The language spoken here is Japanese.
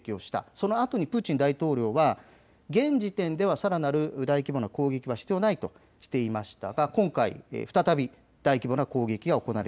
そのあとプーチン大統領は現時点ではさらなる大規模な攻撃は必要ないとしていました。